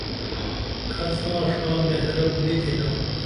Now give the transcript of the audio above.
کھر ساں ڜا محرب نی تھینا